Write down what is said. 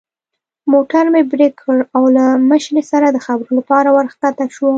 موټر مې برېک کړ او له مشرې سره د خبرو لپاره ور کښته شوم.